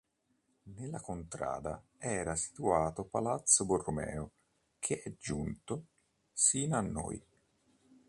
Nella contrada era situato palazzo Borromeo, che è giunto sino a noi.